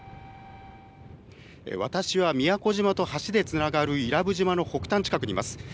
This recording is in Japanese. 私は宮古島と橋でつながる伊良部島の北端近くにいます。